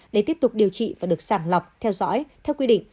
để tiếp tục điều trị và được sàng lọc theo dõi theo quy định